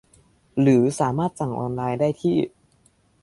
หรือสามารถสั่งออนไลน์ได้ที่